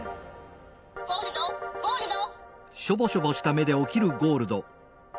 「ゴールドゴールド！」。